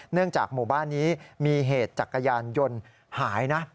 เนื่องจากหมู่บ้านนี้มีเหตุจักรยานยนต์หายนะ